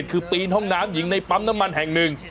คือปีนห้องน้ำหญิงในปั๊มน้ำมันแห่งหนึ่ง